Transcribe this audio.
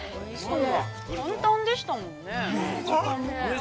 ◆簡単でしたもんね。